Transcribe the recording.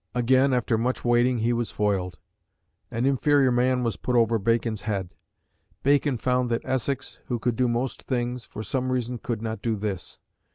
Again, after much waiting, he was foiled. An inferior man was put over Bacon's head. Bacon found that Essex, who could do most things, for some reason could not do this.